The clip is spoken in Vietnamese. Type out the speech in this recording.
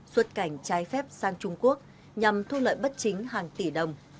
xuất cảnh trái phép sang trung quốc nhằm thu lợi bất chính hàng tỷ đồng